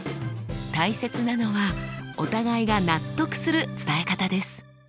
大切なのはお互いが納得する伝え方です。